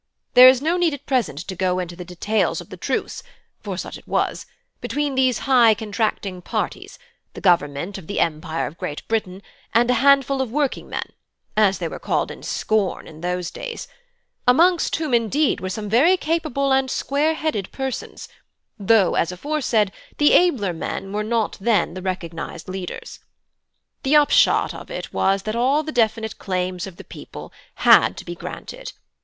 There is no need at present to go into the details of the truce (for such it was) between these high contracting parties, the Government of the empire of Great Britain and a handful of working men (as they were called in scorn in those days), amongst whom, indeed, were some very capable and 'square headed' persons, though, as aforesaid, the abler men were not then the recognised leaders. The upshot of it was that all the definite claims of the people had to be granted.